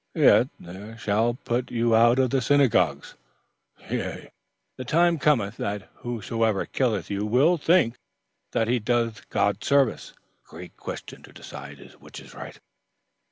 "Yet, 'they shall put you out of the synagogues; yea, the time cometh that whosoever killeth you will think that he doeth God service.' The great question to decide is which is right.